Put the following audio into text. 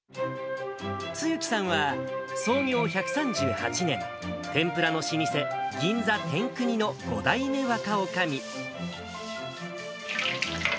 露木さんは、創業１３８年、天ぷらの老舗、銀座天國の５代目若おかみ。